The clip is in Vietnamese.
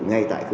ngay tại cơ sở